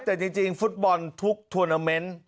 แต่จริงฟุตบอลทุกทวนาเมนต์